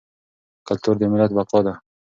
کلتور د ملت بقا ده.